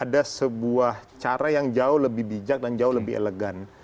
ada sebuah cara yang jauh lebih bijak dan jauh lebih elegan